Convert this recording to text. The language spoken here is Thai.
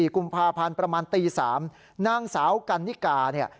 กุมภาพันธ์ประมาณตี๓นางสาวกันนิกาเนี่ย